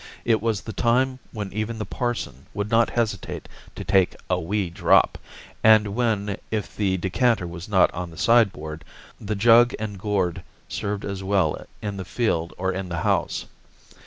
It was the time when even the parson would not hesitate to take a "wee drop," and when, if the decanter was not on the sideboard, the jug and gourd served as well in the field or in the house.